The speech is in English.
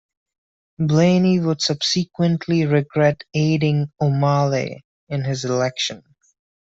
Blaney would subsequently regret aiding O'Malley in his election.